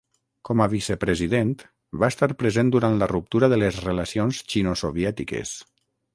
Com a vicepresident, va estar present durant la ruptura de les relacions xino-soviètiques.